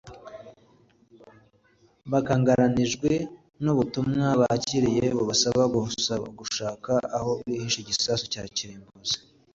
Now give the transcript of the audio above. bakangaranyijwe n’ubutumwa bakiriye bubasaba gushaka aho bihisha igisasu cya kirimbuzi kigiye guterwa ku butaka bwabo